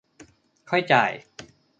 ค่อยจ่าย